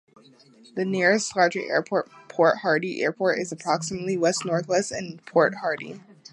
The nearest larger airport, Port Hardy Airport, is approximately west-northwest in Port Hardy.